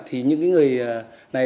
thì những cái người này